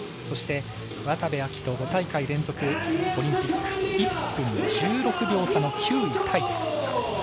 そして、渡部暁斗５大会連続オリンピック、１分１６秒差の９位タイです。